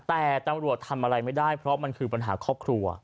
แต่ตำรวจทำอะไรไม่ได้เพราะมันคือปัญหาครอบครัว